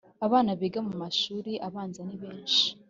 Abana biga mu mashuri abanza nibenshi